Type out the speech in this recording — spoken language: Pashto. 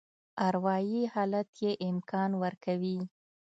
اروایي حالت یې امکان ورکوي.